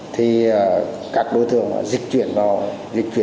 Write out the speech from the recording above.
thì các đối tượng dịch chuyển vào việt trung